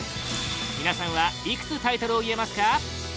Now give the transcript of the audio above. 皆さんは、いくつタイトルを言えますか？